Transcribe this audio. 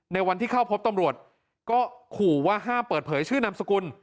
ในวันที่เข้าพบตำรวจก็ขู่ว่าห้ามเปิดเผยชื่อนามสกุล